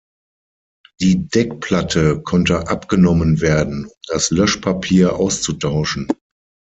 Die Deckplatte konnte abgenommen werden, um das Löschpapier auszutauschen.